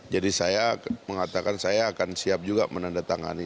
jadi saya mengatakan saya akan siap juga menanda tangani